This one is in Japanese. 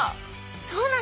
そうなの！